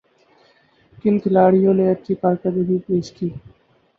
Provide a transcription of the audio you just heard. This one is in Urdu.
کن کھلاڑیوں نے اچھی کارکردگی پیش کی